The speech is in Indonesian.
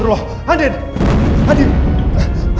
udah diturunkan juga